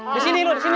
disini lu disini